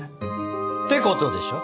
てことでしょ？